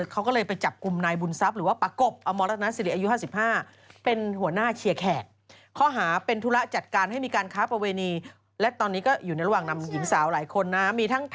ทั้งลาวเขมรเขมรไม่มีเออใช่กัมพูชาคือเขมรนั่นแหละ